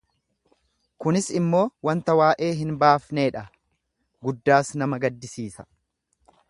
kunis immoo wanta waa'ee hin baafnee dha, guddaas nama in gaddisiisa;